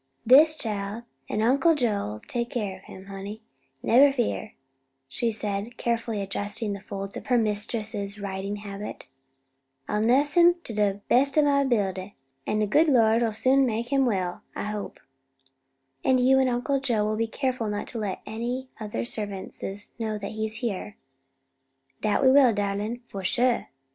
"Dis chile an' Uncle Joe'll take care of him, honey, neber fear," she said, carefully adjusting the folds of her mistress's riding habit. "I'll nuss him to de best ob my disability, an' de good Lord'll soon make um well, I hope." "And you and Uncle Joe will be careful not to let any of the other servants know that he's here?" "Dat we will, darlin', for shuah."